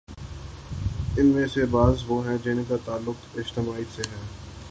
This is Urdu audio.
ان میں سے بعض وہ ہیں جن کا تعلق اجتماعیت سے ہے۔